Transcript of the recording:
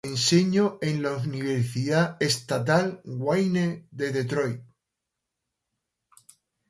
Enseñó en la Universidad Estatal Wayne de Detroit.